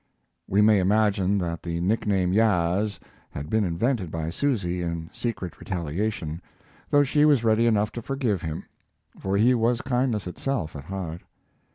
We may imagine that the nickname "Yaas" had been invented by Susy in secret retaliation, though she was ready enough to forgive him, for he was kindness itself at heart.